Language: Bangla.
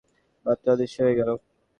মাত্র অদৃশ্য হয়ে গেল।